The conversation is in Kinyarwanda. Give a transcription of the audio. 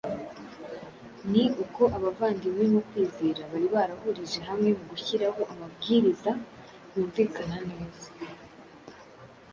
ni uko abavandimwe mu kwizera bari barahurije hamwe mu gushyiraho amabwiriza yumvikana neza